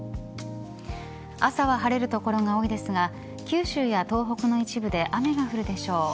朝は晴れる所が多いですが九州や東北の一部で雨が降るでしょう。